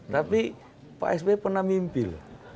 tapi pak sp pernah mimpi loh